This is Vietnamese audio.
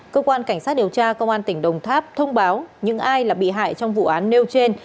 cơ quan cảnh sát điều tra công an tp hcm thông báo những ai bị hại trong vụ án nêu trên